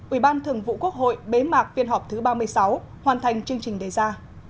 ủy ban thường vụ quốc hội bế mạc phiên họp thứ ba mươi sáu hoàn thành chương trình đề ra